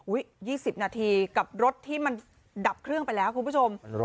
๒๐นาทีกับรถที่มันดับเครื่องไปแล้วคุณผู้ชม